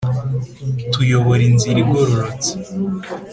tuyobore inzira igororotse: